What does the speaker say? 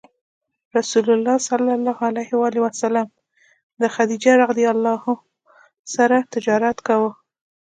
رسول الله ﷺ د خدیجې رض سره تجارت کاوه.